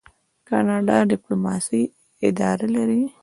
کاناډا د ډیپلوماسۍ اداره لري.